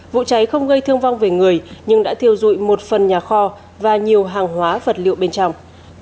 vụ cháy không gây thương vong về người nhưng đã thiêu dụi một phần nhà kho và nhiều hàng hóa vật liệu bên trong